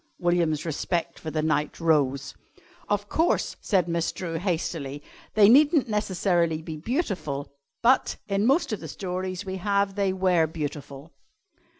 William's respect for the knight rose. "Of course," said Miss Drew hastily, "they needn't necessarily be beautiful, but, in most of the stories we have, they were beautiful."